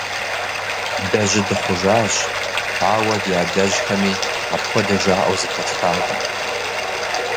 Дэ жьы дыхъужащ, ауэ ди адэжьхэми апхуэдэ жаӀэу зэхэтхакъым.